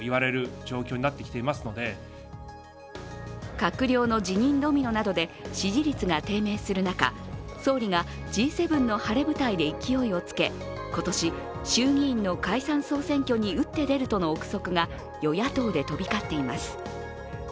閣僚の辞任ドミノなどで支持率が低迷する中、総理がＧ７の晴れ舞台で勢いをつけ、今年、衆議院の解散総選挙に打って出るとの憶測が与野党で飛び交っています。